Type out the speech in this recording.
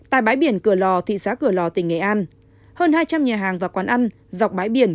tại bãi biển cửa lò thị xã cửa lò tỉnh nghệ an hơn hai trăm linh nhà hàng và quán ăn dọc bãi biển